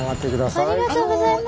ありがとうございます。